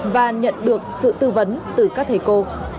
và nhận được sự tư vấn từ các thầy cô